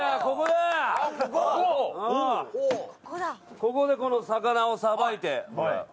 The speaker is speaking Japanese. ここでこの魚をさばいてもらう。